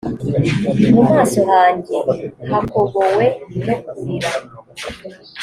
mu maso hanjye hakobowe no kurira